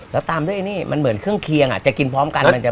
แล้วตามด้วยนี่มันเหมือนเครื่องเคียงจะกินพร้อมกัน